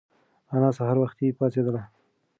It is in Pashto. انا سهار وختي پاڅېدله.